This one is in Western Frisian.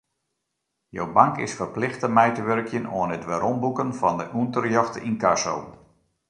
Jo bank is ferplichte mei te wurkjen oan it weromboeken fan de ûnterjochte ynkasso.